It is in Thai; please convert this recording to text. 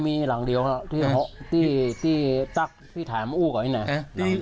มีหลังเดียวครับที่ตั๊กที่ถามอู้ก่อนอีกนะ